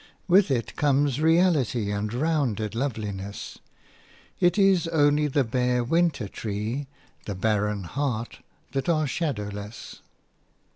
With it come reality and rounded loveliness. It is only the bare winter tree, the barren heart, that are shadowless.